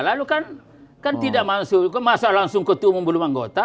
lalu kan kan tidak masuk masa langsung ketua belum anggota